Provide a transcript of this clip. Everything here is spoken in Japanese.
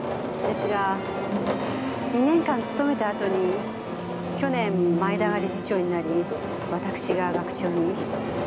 ですが２年間務めたあとに去年前田が理事長になりわたくしが学長に。